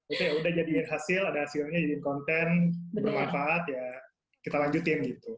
itu ya udah jadiin hasil ada hasilnya jadi konten bermanfaat ya kita lanjutin gitu